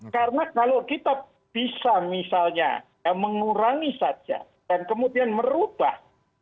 karena kalau kita bisa misalnya mengurangi saja dan kemudian merubah